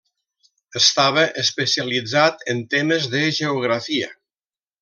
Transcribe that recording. Estava especialitzat en temes de geografia.